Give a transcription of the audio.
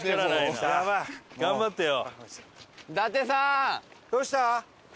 頑張ってよ。